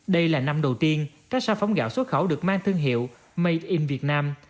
đây là năm đầu tiên các sản phẩm gạo xuất khẩu được mang thương hiệu made in vietnam